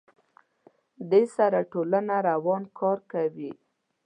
دې سره ټولنه روان کار کوي.